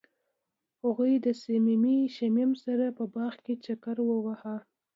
هغوی د صمیمي شمیم سره په باغ کې چکر وواهه.